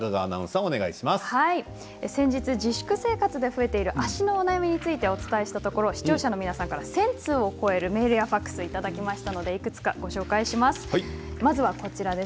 先日、自粛生活で増えている足のお悩みについてお伝えしたところ視聴者の皆さんから１０００通を超えるメールやファックスをいただきました。